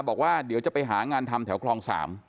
บอกว่าเดี๋ยวจะไปหางานทำแถวคลอง๓